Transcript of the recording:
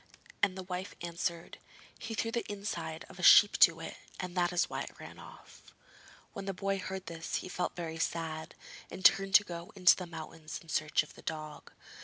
And the wife answered: 'He threw the inside of a sheep to it, and that is why it ran off.' When the boy heard this, he felt very sad, and turned to go into the mountains in search of the dog.